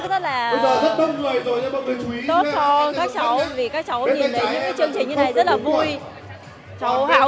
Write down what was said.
chúc rất là tốt cho các cháu vì các cháu nhìn thấy những chương trình như thế này rất là vui